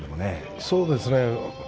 そうですね